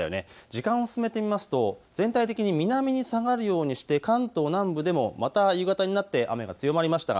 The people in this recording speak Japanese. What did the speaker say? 時間を進めてみますと全体的に南に下がるようにして関東南部でもまた夕方になって雨が強まりました。